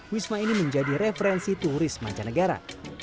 wisma ini menjadi referensi turis mancanegara